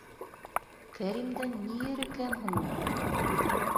Кәримдән ни ере кәм һуң уның?..